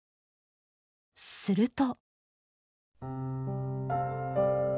すると。